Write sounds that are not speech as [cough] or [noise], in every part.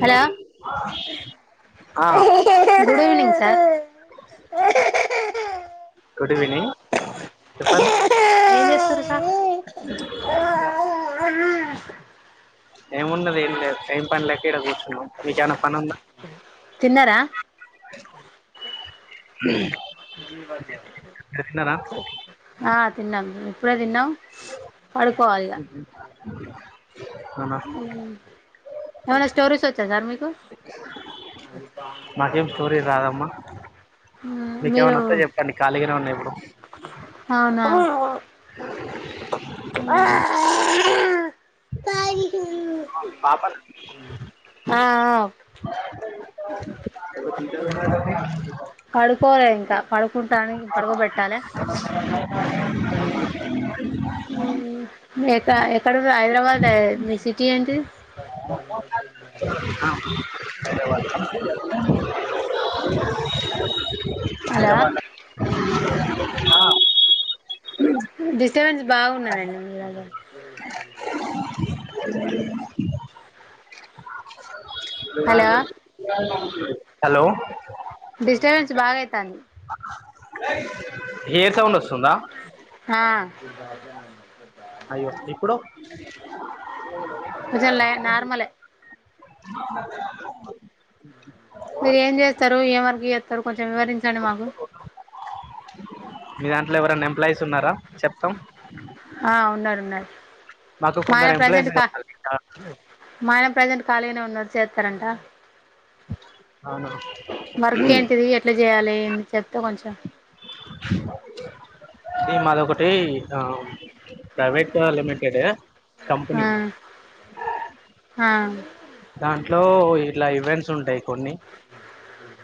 Hello ఆ good evening sir good evening చెప్పండి ఏం చేస్తుర్రు అ ఏమున్నది ఏం లేదు ఏం పని లేక ఈడ కూర్చున్నాం మీకేమన్న పని ఉందా తిన్నారా చెప్పినారా ఆ తిన్నాం ఇప్పుడే తిన్నాం పడుకోవాలి ఇగ అవునా ఏమైనా స్టోరీస్ వచ్చా సార్ మీకు మాకేం స్టోరీ రాదమ్మా మీరు మీకేమైనా వస్తే చెప్పండి ఖాళీగానే ఉన్నా ఇప్పుడు అవునా పాపని ఆ ఆ [unintelligible] పడుకోలే ఇంకా పడుకుంటాని పడుకోబెట్టాలె హ్మ్ ఎక్క ఎక్కడ హైదరాబాద్ మీ సిటీ ఏంటి అ హలో మ డిస్టర్బెన్స్ బాగున్నదండి మీ దగ్గర హలో హలో ట్టని హెయిర్ సౌండ్ వస్తుంద హా అయ్యో ఇప్పుడు ఇజలే నార్మల్ ఎ మీరు ఏం జెస్ త్తరూ ఏ వరకు జెత్తారు కొంచెం వివరించండి మాకు మీ దాంట్లో ఎవరైన ఎంప్లాయీస్ ఉన్నారా చెప్తాం ఆ ఉన్నరు ఉన్నరు మాకు కొందరు మాయన ఎంప్లాయీస్ ప్రజెంట్ క కావాలి మా ఆయన ప్రజెంట్ ఖాళీగనే ఉన్నడు చెత్తరంట అవునా వర్కేంటిది ఎట్ల చేయాలే ఏమి చెప్తే కొంచెం ఇది మాదొకటి ఆ ప్రైవేట్ లిమిటెడ్ ఎ హ్మ్ హ్మ్ దాంట్లో ఇట్ల ఈవెంట్స్ ఉంటాయి కొన్ని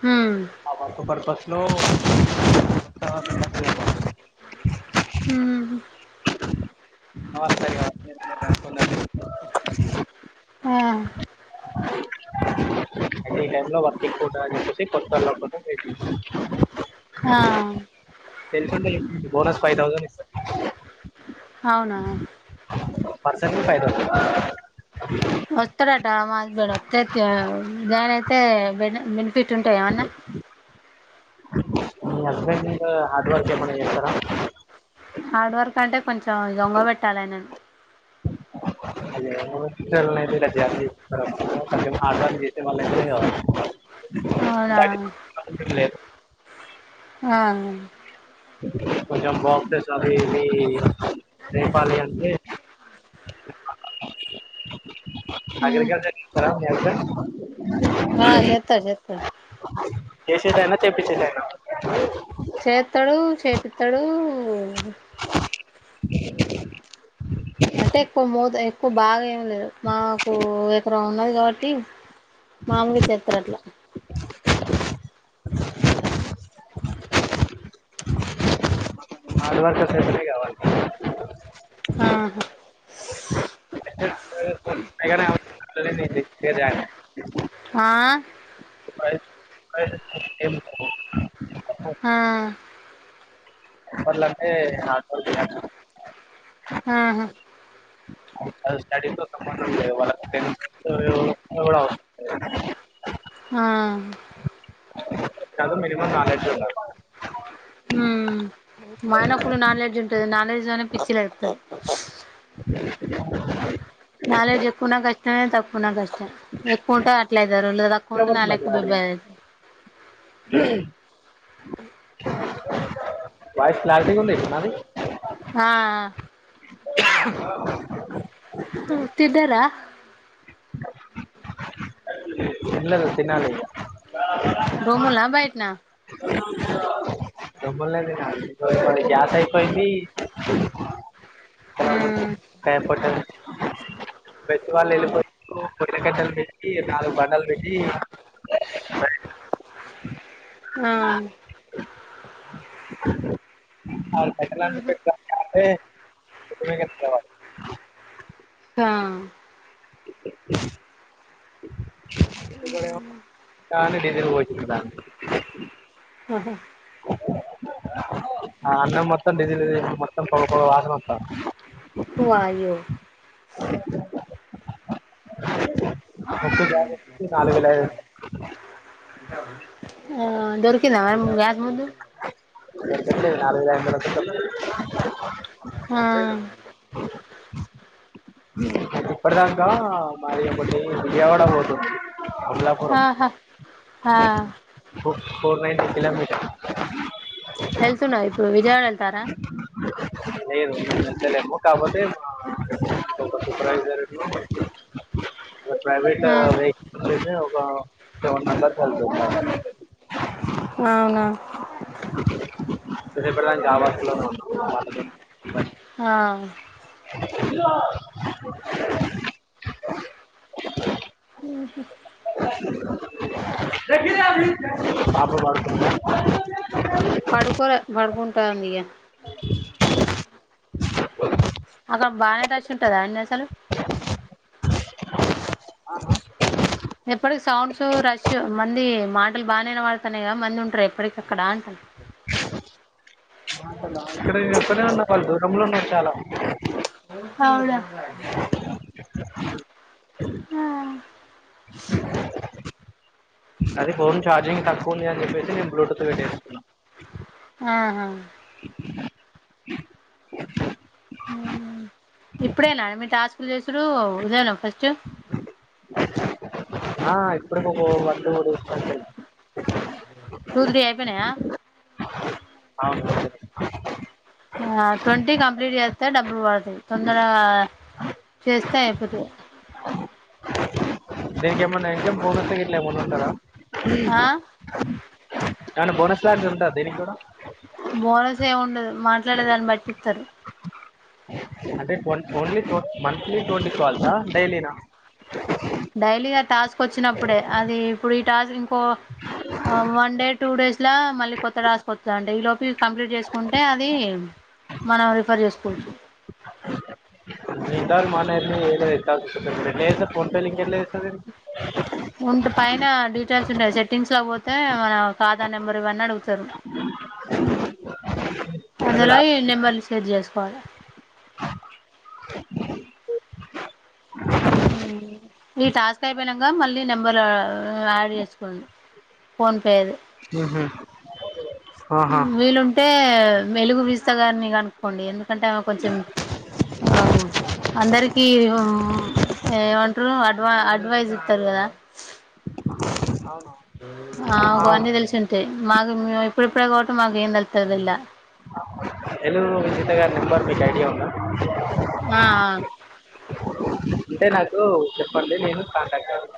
హ్మ్ ఆ వర్క్ పర్పస్ లో [unintelligible] ఉహ్మ నమస్తే అ అంటే ఈ టైమ్ లో ఎక్కువ ఉంటాది అని చెప్పేసి కొత్త [unintelligible] వెయిట్ ఆ తెలుసు అండి బోనస్ ఫైవ్ థౌసండ్ ఇస్త అవునా పర్సకి ఫై తౌసండ్ వస్తడాట మాబేడ వత్త అ జాయిన్ అయితే పెట్టుంటాయ ఏమన్నా మీ హస్బెండ్ హార్డ్ వర్క్ ఏమన్నా చేస్తారా దొంగ పెట్టాల ఆయన నీ [unintelligible] అవునా [unintelligible] అ ఆ కొంచెం బాగుంటే చాలు [unintelligible] [unintelligible] [unintelligible] అగ్రికల్చర్ [unintelligible] హా చెత్త చేత్త చేసేదైనా తెప్పించేదైనా చెత్తడు ఎతాడు [unintelligible] అంటే ఎక్కువ మోద ఓ బాగా లేదు నాకు ఎకర ఉన్నాది క బట్టి మామూలు చెత్ర అట్లా [unintelligible] [unintelligible] ఆాహా [unintelligible] [unintelligible] ఆ ఆ పార్లే అంటే నా జోలికి [unintelligible] ఆ హ అ స్టడీతో సంబంధం లేదు వాళ్ళకి [unintelligible] అవసరం లేదు ఆ [unintelligible] మ్మ్ మనక్కూడా నాలెడ్జ్ ఉంటది నాలెడ్జ్ లోనే పిచ్చిలేత్త [unintelligible] క తప్పు నగ [unintelligible] ఎక్కువుంటే అట్లే [unintelligible] రెండుకు తక్కువుంటుంది వినపడుతుందా క్లారిటీగా [inaudible] వాయిస్ క్లారిటిగుంది నాది ఆ హ్మ్ తిన్నారా తిన్లేదు తినాల ఇంగ రూములనా బైట నా [unintelligible] ల్లో తినాలి [unintelligible] మరి గ్యాస్ అయిపోయింది ఆ [unintelligible] బెట్ వాళ్ళెళ్ళిపో కొక్ [unintelligible] ఉల్లిగడ్టలు తెట్టి నాలుగు బండలు పెట్టి ఆ అ [inaudible] [inaudible] తాం ఉ [inaudible] డీజిలు పోయి [inaudible] దా ఆహా ఆ అన్నం మొత్తం డీజిల్ డీజిల్ మొత్తం పొగ పొగ వాసనత్తాంది వాయ్యె ఒక్క జాగెట్టు కి నాలుగు వేల ఐదువందలు ఆ దొరికిందా మరి గ్యాస్ ముందు నాలుగు వేల ఐదువందల కండ్లు చూడు చ ఆ ఇప్పటిదాంకా మరి బండి విజయవాడ పోతుంది కొల్లాపురం ఆహా ఆ ఫో ఫోర్ నైన్ కిలోమీటర్ వెళ్తున్నాదిప్పుడు వి [unintelligible] జయవాడెళ్తారా లేదు [unintelligible] ను వెళ్తలేము కాకపోతే [unintelligible] సూప్రైజర్ [inaudible] ప్రైవేట్ ఆ వెహికిల్ చే వా [unintelligible] అవునా రేప్ దన్ జాబ్ ఆఫర్ లోనే ఉన్న ఆ ఊహూ అప్పుడు పడుకోలే బాడుకుంటానది ఇగ అక్కడ బానే రష్ ఉంటద అండి అసలు ఆ ఆ ఎప్పటికి సౌండ్స్ రష్ మంది మాటలు బానే వినబడతాయి గ మంది ఉంటారు ఎప్పటికి అక్కడ అంట బ ఇక్కడ నే ఎక్కడనే ఉన్నా వాళ్ళు దూరంలో ఉన్నారు చాలా అవునా నాది ఫోన్ ఛార్జింగ్ తక్కువ ఉంది అని చెప్పేసి నేను బ్లూటూత్ పెట్టేసుకున్నా. ఆ హా ఇప్పుడేనా మీ టాస్ జేసుడు ఇదేనా ఫస్ట్ ఆ ఇప్పుడుకి ఒక [unintelligible] టూ త్రీ అయిపోయినయా అవును అవును ఆ ట్వంటీ కంప్లీట్ చేస్తే డబ్బులు పడుతయి. తొందరగా చేస్తే అయిపోతది. దీనికి ఏమన్నా ఎగ్జమ్ బోనస్ గిట్లా ఏమైన ఉండదా ఆ హ్మ్ ఏవన్న బోనస్ ఫ్లాట్ ఉంటాది దీనికి కూడా బోనస్ ఏమి ఉండదు మాట్లాడేదాన్ని బట్టి ఇత్తరు అంటే ట్వం ఓన్లీ ట్వ మంత్లీ ట్వంటీ కాల్స్ ఆ డైలీనా డైలీగా టాస్క్ వచ్చినప్పుడే. అది ఇప్పుడు ఈ టాస్క్ ఇంకో వన్డే డే, టుడేస్ లా మళ్ళీ కొత్త టాస్క్ వచ్చాదంట, ఈలోపే కంప్లీట్ చేసుకుంటే. అది మనం రిఫర్ చేసుకోవచ్చు. [unintelligible] ఫోన్ పే లింక్ ఎట్ల చేస్తావ్ దానికి ఉంట పైన ఆడిట్ టాల్సింది అది సెట్టింగ్స్ లోకి పోతే మనం ఆదార్ నెంబర్ ఇవన్నీ అడుగుతారు. అసలు అందులో ఈ నెంబర్లు షేర్ చేస్ ప ఈ టాస్క్ అయిపోయినాక మళ్ళీ నెంబర్ యాడ్ చేసుకోండి ఫోన్ పేది. ఊహూ వీలుంటే. వెలుగు విస్తగానే గాను. కొండి ఎందుకంటే ఆమె కొంచెం ఆ అందరికీ ఏమంటారు. అడ్వా అడ్వైస్ ఇతారు కదా అవును అవన్నీ తెలిసి ఉంటాయి మాకు ఇప్పు ఇప్పుడు కొంటాం. మాకు ఏం తెల్తలే ఇలా. హలో విజిత గారి నెంబర్ మీకు ఐడియా ఉంద. ఆ ఆ అంటే నాకు చెప్పండి నేను కాంటాక్ట్ అవుతా.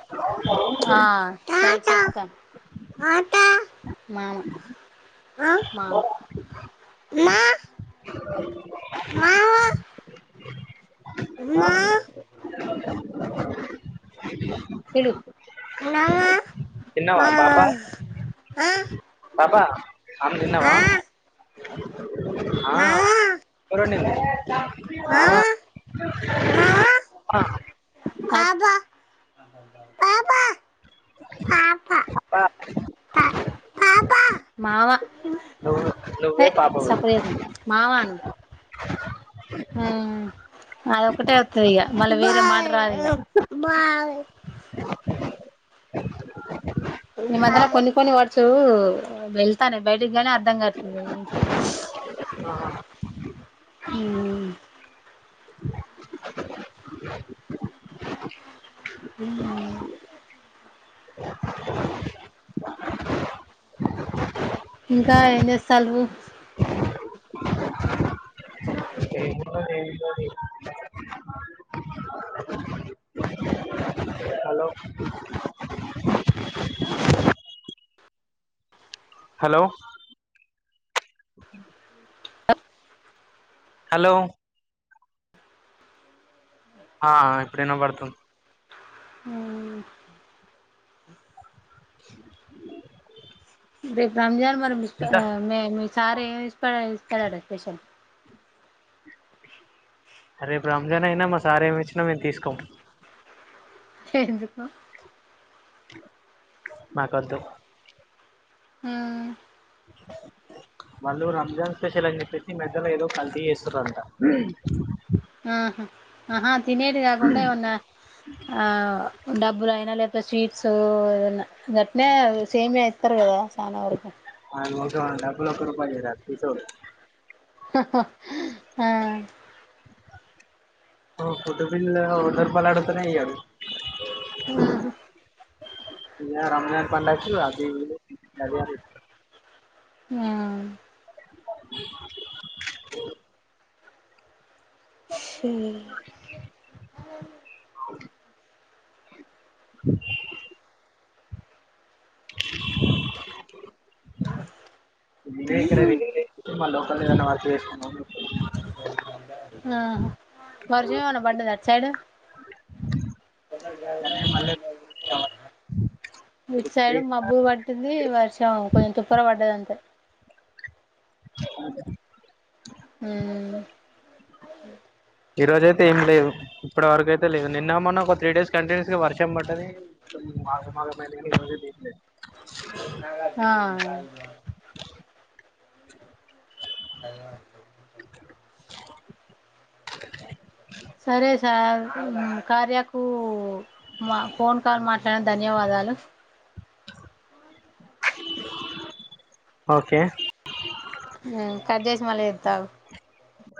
ఆ తర్వాత చెప్తాను మామ మా ఆ పిలు తిన్నావా పాప పాప ఆం తిన్నావా. ఆ కూర ఉండింది. మామ ఆ అ బా మావా ను సప్పుడు చేయకు మావను హ అదొక్కటే వస్తాది ఇగ మళ్ళీ వేరే మాట రాధిక ఈ పాప మధ్యననిమ్ కొన్ని కొని వాట్స్ వెళ్తా బయటిగానీ అ అర్థం కావట్లే ఏం చెప్పింది ఇ ఇంకా ఏం చేస్తాళ్ళు ఏముందో ఏమిటో నీకు. హలో హలో హలో ఆ ఎప్పుడైనా పడతాం. ఉమ్ రేపు రంజామ్ ఎంత మ మీ సార్ ఏమిస్తాడు ఇస్తా అంట స్పెషల్ రేపు రంజాన్ అయినా మా సార్ ఏమి ఇచ్చినా మేము తీసుకోం ఎందుకో మాకొద్దు హు వాళ్ళు రంజాన్ స్పెషల్ అని చెప్పేసి మద్యలో ఏదో కల్తీ చేస్తురంట. ఆహా ఆహా తినేది కాకుండా ఏమన్నా ఆ డబ్బులు అయినా లే స్వీట్స్ ఏదన్న ఘట్నే సేమ్యా ఇత్తరు కదా చానా వరకు డబ్బులు ఒక రూపాయి కూడా ఈడ పిసోడు ఆ హోటల్ బిల్ వంద రూపాయలు అడుగుతేనే ఈయడు. ఆహా రంజాన్ పండక్కి అది ఇది మర్యాద ఆ ఛి అ ఎక్కడ ఉన్నారు రిజిస్ట్రేషన్ లోపల ఏదన్న వర్క్ చేసుకుంటాం హ వర్షమేమన్నా పడ్డదా అటు సైడ్ అని మళ్ళీ ఇటు సైడ్ మబ్బు పడతది ది వర్షం కొంచెం తుప్పుర పడ్దది అంతే హామ్ హూమ్ ఈ రోజయితే ఏం లేదు. ఇప్పటివరకు అయితే లేదు. నిన్నమొన్న ఒక త్రీ డేస్ కంటిన్యూస్ గా వర్షం వర్షం పడ్డది. ఆగ మాగం అయింది కని ఆ హే హా సరే సార్ కార్యకు మా ఫోన్ కాల్ మాట్లాడి ధన్యవాదాలు ఓకే హ్మ్ కట్ చేసి మళ్ళీ చేత్తా ఆగు